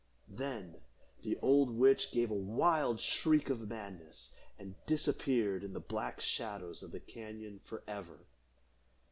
Then the old witch gave a wild shriek of madness, and disappeared in the black shadows of the cañon forever.